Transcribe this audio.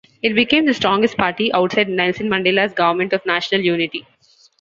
It became the strongest party outside Nelson Mandela's Government of National Unity.